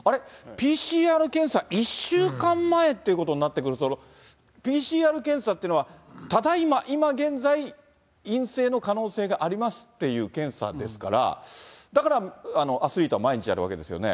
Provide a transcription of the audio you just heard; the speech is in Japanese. ＰＣＲ検査、１週間前ってことになってくると、ＰＣＲ検査っていうのは、ただ今、今現在、陰性の可能性がありますっていう検査ですから、だからアスリートは毎日やるわけですよね。